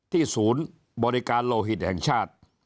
ศูนย์บริการโลหิตแห่งชาติ